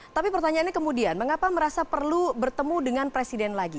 tapi pertanyaannya kemudian mengapa merasa perlu bertemu dengan presiden lagi